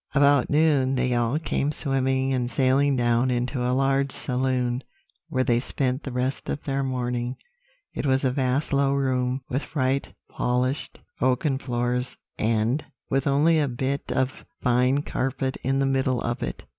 "About noon they all came swimming and sailing down into a large saloon, where they spent the rest of their morning. It was a vast low room, with bright polished oaken floors, and with only a bit of fine carpet in the middle of it.